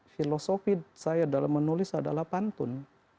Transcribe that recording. filosofi saya dalam menulis adalah pantun